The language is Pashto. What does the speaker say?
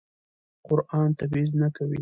قرآن تبعیض نه کوي.